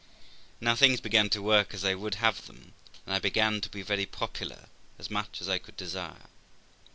Now things began to work as I would have them, and I began to be very popular, as much as I could desire.